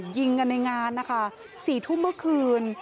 ยิงกันในงานนะคะ๔ทุ่มเมื่อคืน